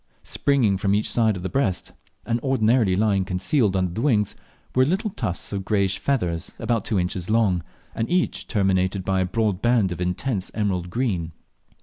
Springing from each side of the breast, and ordinarily lying concealed under the wings, were little tufts of greyish feathers about two inches long, and each terminated by a broad band of intense emerald green.